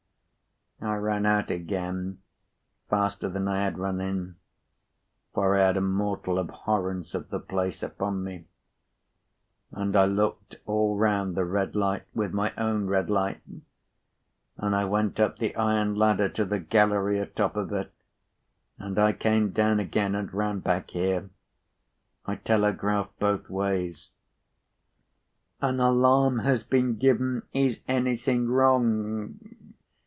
I ran out again, faster than I had run in (for I had a mortal abhorrence of the place upon me), and I looked all round the red light with my own red light, and I went up the iron ladder to the gallery atop of it, and I came down again, and ran back here. I telegraphed both ways: 'An alarm has been given. Is anything wrong?